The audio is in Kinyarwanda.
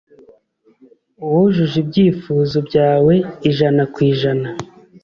uwujuje ibyifuzo byawe ijana ku ijana